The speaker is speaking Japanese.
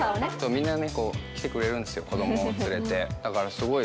みんな家に来てくれるんですよ、子どもを連れて。